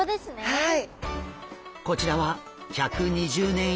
はい。